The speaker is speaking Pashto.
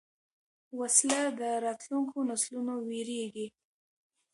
وسله د راتلونکو نسلونو وېرېږي